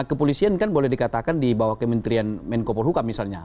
kan kepolisian boleh dikatakan di bawah kementerian menko polhuka misalnya